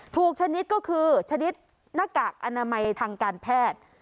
ชนิดก็คือชนิดหน้ากากอนามัยทางการแพทย์